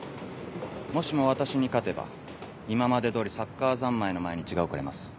もしも私に勝てば今まで通りサッカー三昧の毎日が送れます。